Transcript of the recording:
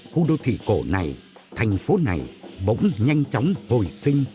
khu đô thị cổ này thành phố này bỗng nhanh chóng hồi sinh